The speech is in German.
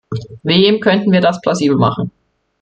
Wem könnten wir das plausibel machen?